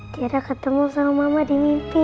kira ketemu sama mama di mimpi